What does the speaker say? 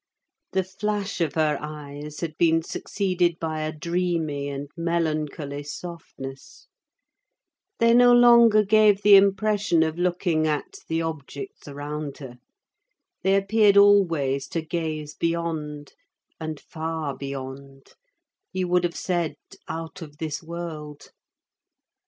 The flash of her eyes had been succeeded by a dreamy and melancholy softness; they no longer gave the impression of looking at the objects around her: they appeared always to gaze beyond, and far beyond—you would have said out of this world.